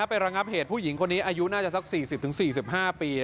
ระงับเหตุผู้หญิงคนนี้อายุน่าจะสัก๔๐๔๕ปี